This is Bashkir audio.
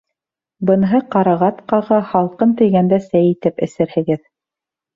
— Быныһы ҡарағат ҡағы, һалҡын тейгәндә, сәй итеп эсерһегеҙ.